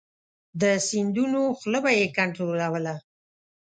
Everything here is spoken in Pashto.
د سیندونو خوله به یې کنترولوله.